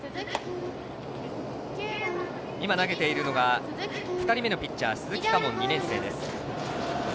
今、投げているのが２人目のピッチャー鈴木佳門、２年生です。